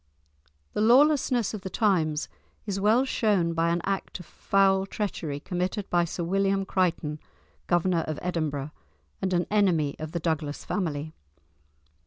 The lawlessness of the times is well shown by an act of foul treachery committed by Sir William Crichton, Governor of Edinburgh, and an enemy of the Douglas family.